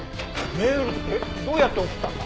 メールってどうやって送ったんだ？